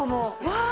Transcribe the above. わあ！